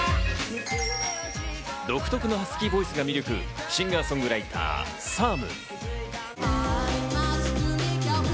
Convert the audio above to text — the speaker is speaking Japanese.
独特のハスキーボイスが魅力、シンガー・ソングライター、ＳＡＲＭ。